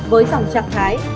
với dòng chặt thái